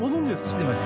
知ってます。